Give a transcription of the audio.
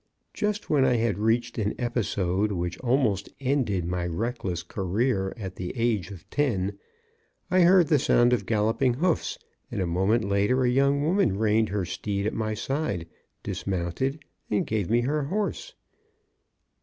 Just when I had reached an episode, which almost ended my reckless career at the age of ten, I heard the sound of galloping hoofs, and, a moment later, a young woman reined her steed at my side, dismounted and gave me her horse.